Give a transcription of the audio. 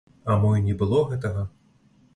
А мо і не было гэтага?